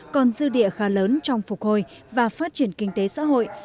còn dư địa khá lớn trong phục hồi và phát triển kinh tế xã hội